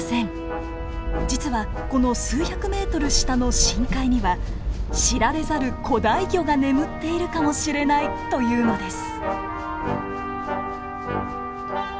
実はこの数百ｍ下の深海には知られざる古代魚が眠っているかもしれないというのです。